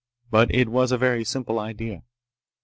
But it was a very simple idea.